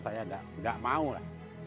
saya tidak mau lah